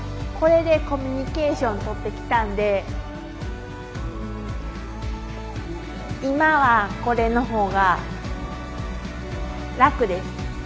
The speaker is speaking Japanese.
これでコミュニケーションとってきたんで今はこれの方が楽です。